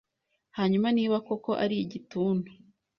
hanyuma niba koko ari igituntu